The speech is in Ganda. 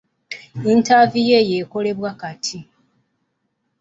Yintaviyu eyo ekolebwa kati?